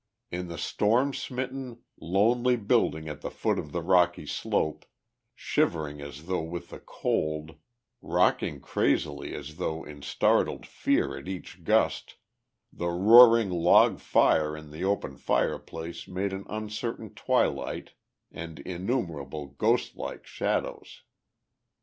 In the storm smitten, lonely building at the foot of the rocky slope, shivering as though with the cold, rocking crazily as though in startled fear at each gust, the roaring log fire in the open fireplace made an uncertain twilight and innumerable ghostlike shadows.